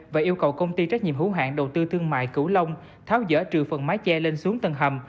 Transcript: và yêu cầu công ty trách nhiệm hữu hạn đầu tư thương mại cửu long tháo dỡ trừ phần mái tre lên xuống tầng hầm